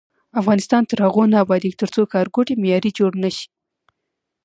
افغانستان تر هغو نه ابادیږي، ترڅو ښارګوټي معیاري جوړ نشي.